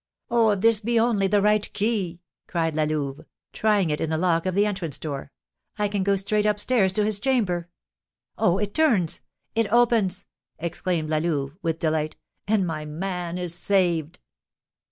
"Oh, if this be only the right key!" cried La Louve, trying it in the lock of the entrance door; "I can go straight up stairs to his chamber. Oh, it turns! It opens!" exclaimed La Louve, with delight; "and my man is saved!"